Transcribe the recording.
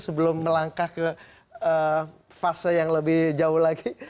sebelum melangkah ke fase yang lebih jauh lagi